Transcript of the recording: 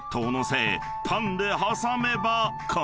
パンで挟めば完成］